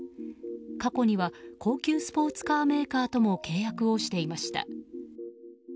過去には高級スポーツカーメーカーとも契約をしていました。